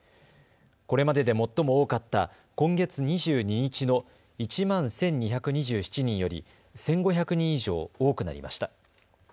これまでで最も多かった今月２２日の１万１２２７人より１５００人以上多くなりました。